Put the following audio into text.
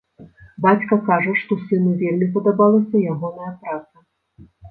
Бацька кажа, што сыну вельмі падабалася ягоная праца.